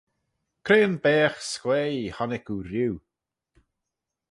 Cre yn baagh s'quaaee honnick oo rieau?